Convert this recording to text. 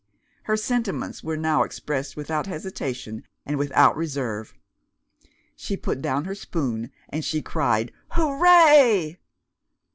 Her sentiments were now expressed without hesitation and without reserve. She put down her spoon, and she cried, "Hooray!"